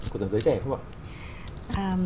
của dòng giới trẻ không ạ